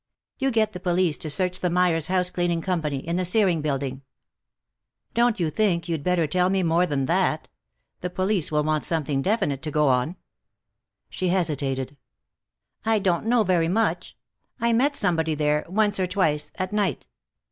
"You get the police to search the Myers Housecleaning Company, in the Searing Building." "Don't you think you'd better tell me more than that? The police will want something definite to go on." She hesitated. "I don't know very much. I met somebody there, once or twice, at night.